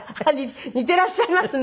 似ていらっしゃいますね。